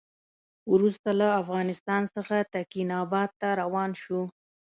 وروسته له افغانستان څخه تکیناباد ته روان شو.